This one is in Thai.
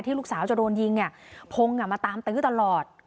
ที่ลูกสาวก็จะโดนยิงพงษ์มาตามตื้อตลอด